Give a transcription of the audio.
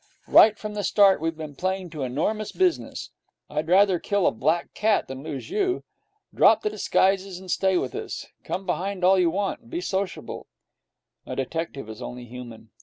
Right from the start we've been playing to enormous business. I'd rather kill a black cat than lose you. Drop the disguises, and stay with us. Come behind all you want, and be sociable.' A detective is only human.